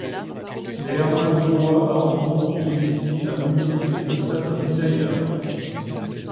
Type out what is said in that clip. Né Hermann Gowa à Hambourg, il étudie à Munich, et s'installe comme designer.